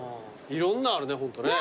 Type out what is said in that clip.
いろんなのあるねホントね。